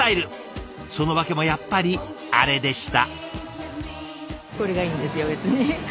その訳もやっぱりあれでした。